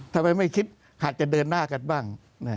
ทำไมไม่คิดอาจจะเดินหน้ากันบ้าง